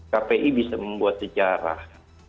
kpi bisa membuat sejarah